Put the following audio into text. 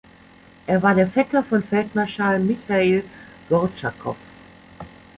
Er war der Vetter von Feldmarschall Michail Gortschakow.